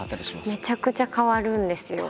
めちゃくちゃ変わるんですよ。